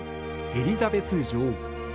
エリザベス女王。